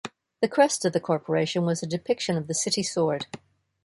The crest of the corporation was a depiction of the city sword.